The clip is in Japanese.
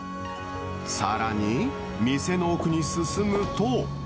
さらに、店の奥に進むと。